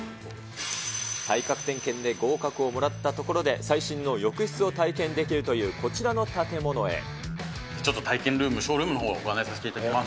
体格点検で合格をもらったところで、最新の浴室を体験できるといちょっと体験ルーム、ショールームのほう、ご案内させていただきます。